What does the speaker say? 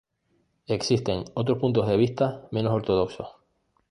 Existen otros puntos de vista menos ortodoxos.